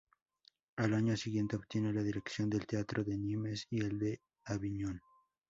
Al año siguiente obtiene la dirección del teatro de Nimes y el de Aviñón.